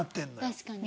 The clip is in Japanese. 確かに。